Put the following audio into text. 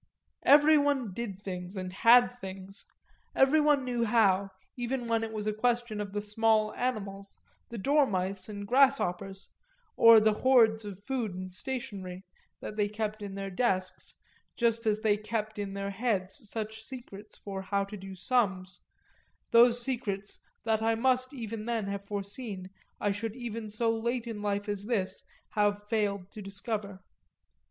Everyone did things and had things everyone knew how, even when it was a question of the small animals, the dormice and grasshoppers, or the hoards of food and stationery, that they kept in their desks, just as they kept in their heads such secrets for how to do sums those secrets that I must even then have foreseen I should even so late in life as this have failed to discover.